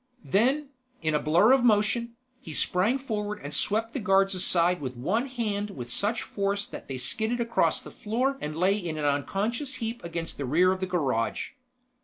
Then, in a blur of motion, he sprang forward and swept the guards aside with one hand with such force that they skidded across the floor and lay in an unconscious heap against the rear of the garage.